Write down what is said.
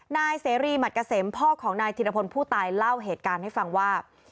นายเสรีหมัดเกษมพ่อของนายธิรพลผู้ตายเล่าเหตุการณ์ให้ฟังว่า